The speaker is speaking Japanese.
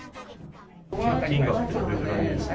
献金額はどれぐらいですか？